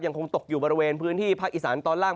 คงตกอยู่บริเวณพื้นที่ภาคอีสานตอนล่าง